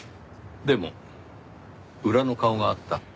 でも裏の顔があった？